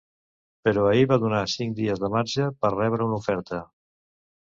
però ahir va donar cinc dies de marge per rebre una oferta